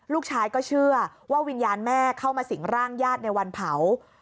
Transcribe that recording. ลูกชายก็เชื่อว่าวิญญาณแม่เข้ามาสิงร่างญาติในวันเผา